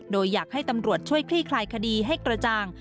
โดยอยากให้ตำรวจช่วยคลี่คลายคดีให้กระจ่าง